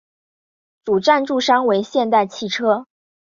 主赞助商为现代汽车。